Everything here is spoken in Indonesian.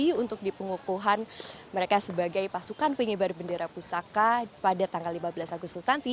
dan mereka juga dapat melakukan mereka sebagai pasukan pengibaran bendera pusaka pada tanggal lima belas agustus nanti